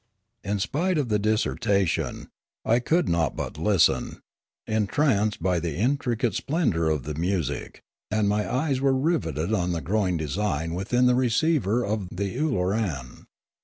In spite of the dissertation, I could not but listen, entranced by the intricate splendour of the music; and 1 70 Limanora my eyes were riveted on the growing design within the receiver of the Ooloran.